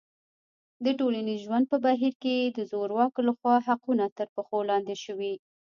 د ټولنیز ژوند په بهیر کې د زورواکو لخوا حقونه تر پښو لاندې شوي.